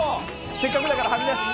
せっかくだからはみ出して。